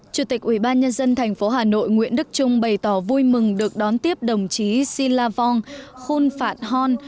chủ tịch ủy ban nhân dân thành phố hà nội nguyễn đức trung bày tỏ vui mừng được đón tiếp đồng chí silavong khut phai thun